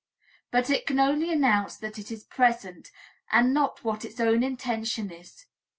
But it can only announce that it is present, and not what its own intention is.